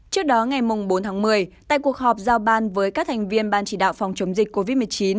trước đó ngày bốn tháng một mươi tại cuộc họp giao ban với các thành viên ban chỉ đạo phòng chống dịch covid một mươi chín